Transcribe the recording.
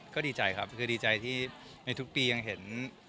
ก็ดีใจครับคือดีใจที่ในทุกปียังเห็น